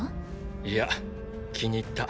いや気に入った。